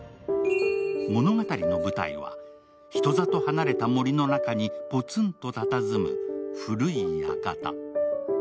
物語の舞台は、人里離れた森の中にぽつんとたたずむ古い館。